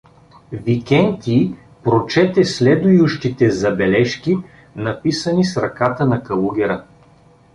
Викентий прочете следующите забележки, написани с ръката на калугера.